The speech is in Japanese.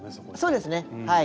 そうですねはい。